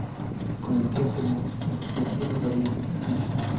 Con el tiempo, mostró mejoría en la cancha.